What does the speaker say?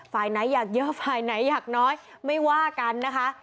ฝ่ายไหนอยากเยอะฝ่ายไหนอยากน้อยไม่ว่ากันนะคะ